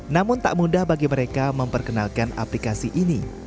namun tak mudah bagi mereka memperkenalkan aplikasi ini